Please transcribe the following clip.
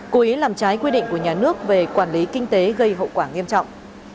cố ý làm trái quy định của nhà nước về quản lý kinh tế gây hậu quả nghiêm trọng